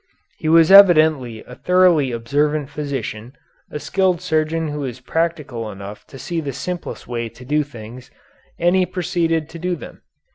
He was evidently a thoroughly observant physician, a skilled surgeon who was practical enough to see the simplest way to do things, and he proceeded to do them.